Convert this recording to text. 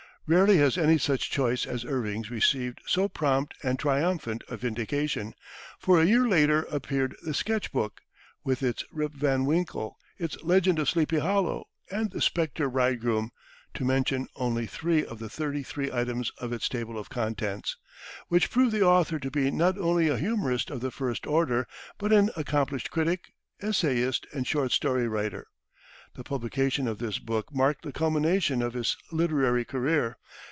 Rarely has any such choice as Irving's received so prompt and triumphant a vindication, for a year later appeared the "Sketch Book," with its "Rip Van Winkle," its "Legend of Sleepy Hollow" and "The Spectre Bridegroom" to mention only three of the thirty three items of its table of contents which proved the author to be not only a humorist of the first order, but an accomplished critic, essayist and short story writer. The publication of this book marked the culmination of his literary career.